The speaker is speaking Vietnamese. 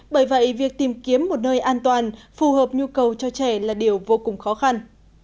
bởi vậy việc tìm kiếm một nơi an toàn phù hợp nhu cầu cho trẻ là điều vô cùng khó khăn